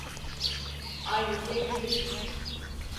Aynı şey değil.